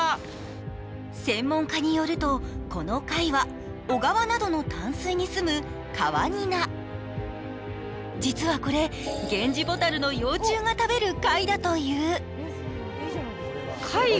専門家によると、この貝は小川などの淡水に住むカワニナ、実はこれゲンジボタルの幼虫などが食べる貝だという。